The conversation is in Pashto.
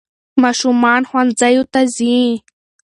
ماشومان ښوونځیو ته ځي.